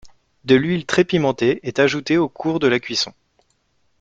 De l'huile très pimentée est ajoutée au cours de la cuisson.